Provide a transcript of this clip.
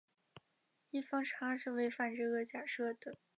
异方差是违反这个假设的。